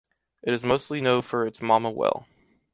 It is mostly know for its Mama well.